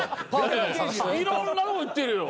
いろんなとこ行ってるよ。